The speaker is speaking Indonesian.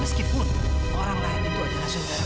meskipun orang lain itu adalah saudara saudara kamu